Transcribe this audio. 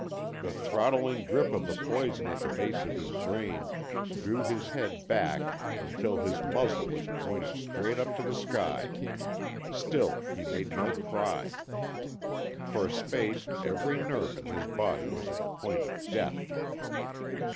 The throttling grip of the poison at the base of his brain drew his head back until his muzzle was pointed straight up to the sky. Still he made no cry. For a space every nerve in his body was at the point of death.